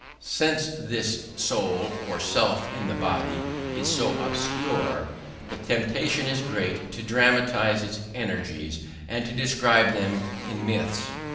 Since this soul or self in the body is so obscure, the temptation is great to dramatise its energies and to describe them in myths.